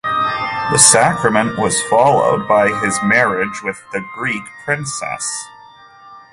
The sacrament was followed by his marriage with the Greek princess.